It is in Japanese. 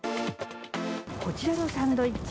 こちらのサンドイッチ